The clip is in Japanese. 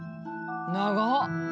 長っ！